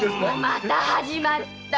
また始まった！